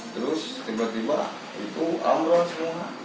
terus tiba tiba itu ambrol semua